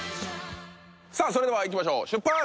さあそれでは行きましょう出発！